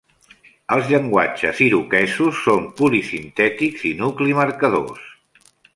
Els llenguatges iroquesos són polisintètics i nucli-marcadors.